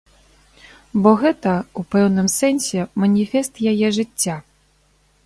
Бо гэта, у пэўным сэнсе, маніфест яе жыцця.